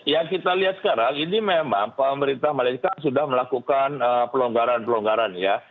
yang kita lihat sekarang ini memang pemerintah malaysia sudah melakukan pelonggaran pelonggaran ya